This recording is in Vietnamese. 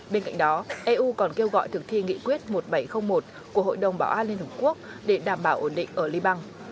bên cạnh đó eu còn kêu gọi thực thi nghị quyết một nghìn bảy trăm linh một của hội đồng bảo an liên hợp quốc để đảm bảo ổn định ở liban